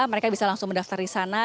mereka bisa langsung mendaftar di sana